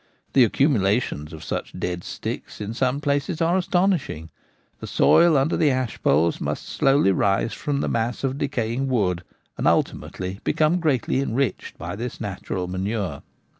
The accumulations of such dead sticks in some places are astonishing : the soil under the ash poles must slowly rise from the mass of decaying wood and ultimately become greatly enriched by this natural manure.